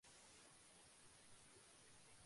তিনি দুপুরে কিছু খেলেন না।